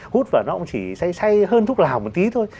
hút vào nó cũng chỉ say say hơn thuốc lào một tí thôi